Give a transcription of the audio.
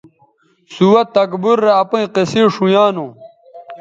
سُوہ تکبُر رے اپئیں قصے ݜؤیانوں